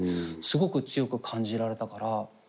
すごく強く感じられたから。